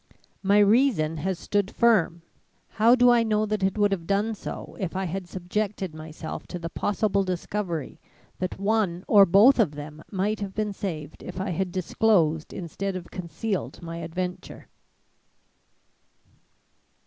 My reason has stood firm; how do I know that it would have done so if I had subjected myself to the possible discovery that one or both of them might have been saved if I had disclosed instead of concealed my adventure."